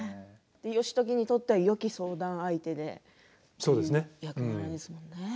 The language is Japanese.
義時にとってはよき相談相手でそういう役柄ですよね。